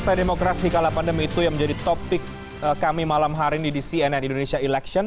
pesta demokrasi kala pandemi itu yang menjadi topik kami malam hari ini di cnn indonesia election